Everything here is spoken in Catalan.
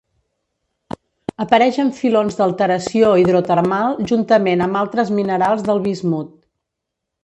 Apareix en filons d'alteració hidrotermal juntament amb altres minerals del bismut.